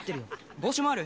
帽子もある？